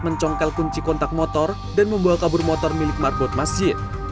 mencongkel kunci kontak motor dan membawa kabur motor milik marbot masjid